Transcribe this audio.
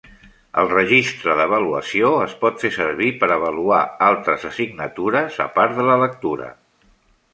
El registre d'avaluació es pot fer servir per avaluar altres assignatures, a part de la lectura.